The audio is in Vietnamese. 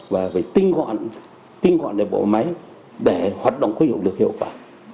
và phải tinh gọn tinh gọn được bộ máy để hoạt động có hiệu lực hiệu quả